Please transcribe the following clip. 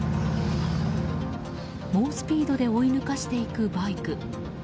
猛スピードで追い抜かしていくバイク。